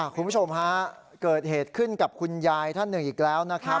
คุณผู้ชมฮะเกิดเหตุขึ้นกับคุณยายท่านหนึ่งอีกแล้วนะครับ